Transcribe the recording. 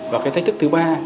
và cái thách thức thứ ba